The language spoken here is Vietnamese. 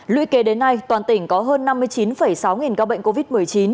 luy kể đến nay toàn tỉnh có hơn năm mươi chín sáu nghìn ca bệnh covid một mươi chín